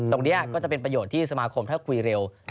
ก็จะเป็นประโยชน์ที่สมาคมถ้าคุยเร็ว